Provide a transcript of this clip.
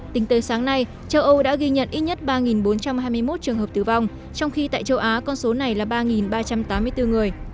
tính tới sáng nay châu âu đã ghi nhận ít nhất ba bốn trăm hai mươi một trường hợp tử vong trong khi tại châu á con số này là ba ba trăm tám mươi bốn người